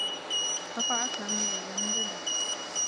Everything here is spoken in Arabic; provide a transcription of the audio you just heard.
صفع سامي ليلى من جديد.